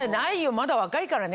まだ若いからね。